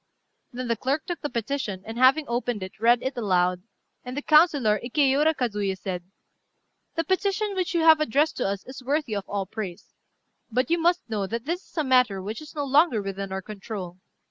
Then the clerk took the petition, and, having opened it, read it aloud; and the councillor, Ikéura Kazuyé, said "The petition which you have addressed to us is worthy of all praise. But you must know that this is a matter which is no longer within our control.